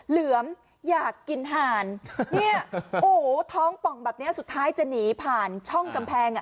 เหลือมอยากกินหารท้องป๋องแบบนี้สุดท้ายจะหนีผ่านช่องกำแพง